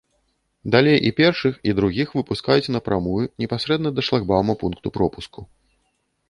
Далей і першых, і другіх выпускаюць на прамую непасрэдна да шлагбаума пункту пропуску.